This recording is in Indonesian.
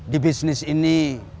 di bisnis ini